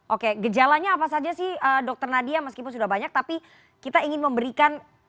oke gejalanya apa saja sih dokter nadia meskipun sudah banyak tapi kita ingin memberikan